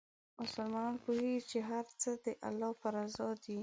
مسلمان پوهېږي چې هر څه د الله په رضا دي.